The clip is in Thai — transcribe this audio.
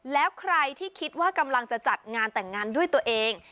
แล้วใครที่คิดว่ากำลังจะจัดงานแต่งงานด้วยตัวเอง